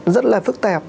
rất là phức tạp